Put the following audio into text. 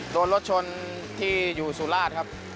โดยรถชนที่อยู่สู่ลาศครับ